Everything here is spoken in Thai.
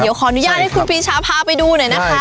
เดี๋ยวขออนุญาตให้คุณปีชาพาไปดูหน่อยนะคะ